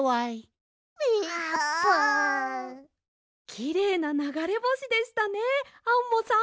きれいなながれぼしでしたねアンモさん。